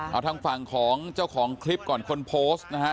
เอาทางฝั่งของเจ้าของคลิปก่อนคนโพสต์นะฮะ